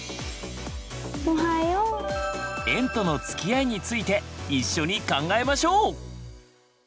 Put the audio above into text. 「園とのつきあい」について一緒に考えましょう！